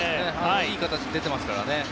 いい形で出てますからね。